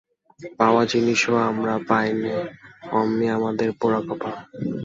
পাওয়া জিনিসও আমরা পাই নে এমনি আমাদের পোড়া কপাল।